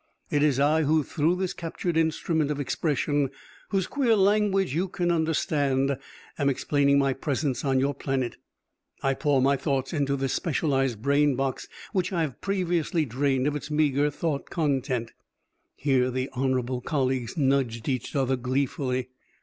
It is I, who through this captured instrument of expression, whose queer language you can understand, am explaining my presence on your planet. I pour my thoughts into this specialised brain box which I have previously drained of its meager thought content." (Here the "honorable colleagues" nudged each other gleefully.)